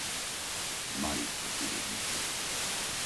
Μάλιστα, κύριε Μήτσο.